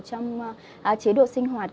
trong chế độ sinh hoạt